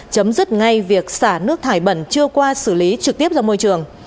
chấm dứt ngay việc xả nước thải bẩn chưa qua xử lý trực tiếp ra môi trường